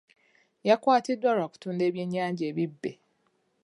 Yakwatiddwa lwa kutunda ebyennyanja ebibbe.